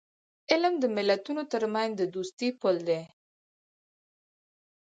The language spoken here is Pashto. علم د ملتونو ترمنځ د دوستی پل دی.